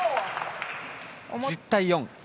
１０対４。